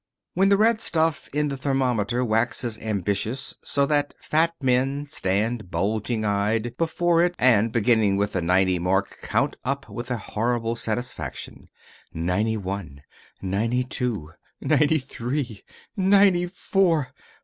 When the red stuff in the thermometer waxes ambitious, so that fat men stand, bulging eyed, before it and beginning with the ninety mark count up with a horrible satisfaction ninety one ninety two ninety three NINETY FOUR!